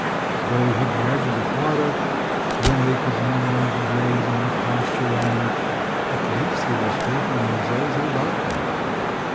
Though he grudged the fodder when they could no longer graze on the pasture land, at least he was free from anxiety about them.